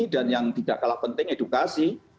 dan yang tidak kalah penting edukasi